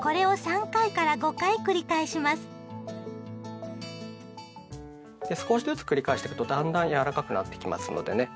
これをで少しずつ繰り返していくとだんだん柔らかくなっていきますのでね。